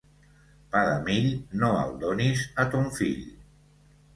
Pa de mill, no el donis a ton fill.